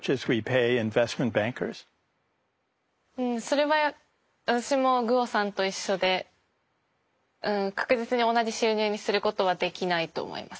それは私もグオさんと一緒で確実に同じ収入にすることはできないと思います。